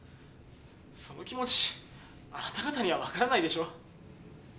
その気持ちあなた方には分からないでしょ？